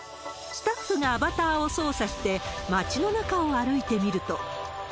スタッフがアバターを操作して、街の中を歩いてみると。